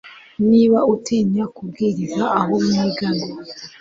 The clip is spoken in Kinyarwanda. niba utinya kubwiriza abo mwigana